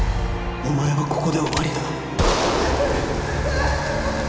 お前はここで終わりだ